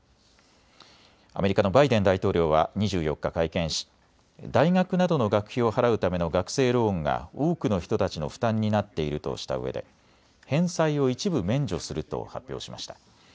アメリカのバイデン大統領は２４日、会見し大学などの学費を払うための学生ローンが多くの人たちの負担になっているとしたうえで返済を一部免除すると発表しました。